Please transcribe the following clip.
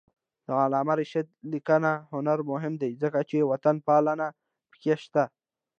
د علامه رشاد لیکنی هنر مهم دی ځکه چې وطنپالنه پکې شته.